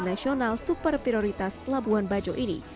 nasional super prioritas labuan bajo ini